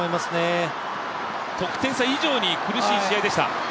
得点差以上に苦しい試合でした。